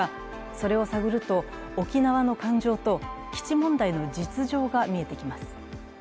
それを探ると、沖縄の感情と基地問題の実情が見えてきます。